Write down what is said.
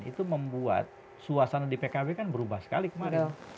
itu membuat suasana di pkb kan berubah sekali kemarin